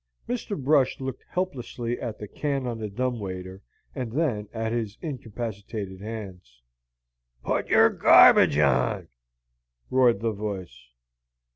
Mr. Brush looked helplessly at the can on the dumb waiter and then at his incapacitated hands. "Put your garbage on!" roared the voice.